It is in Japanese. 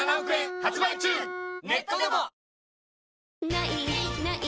「ない！ない！